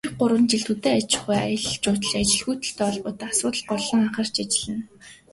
Ирэх гурван жилд хөдөө аж ахуй, аялал жуулчлал, ажилгүйдэлтэй холбоотой асуудалд голлон анхаарч ажиллана.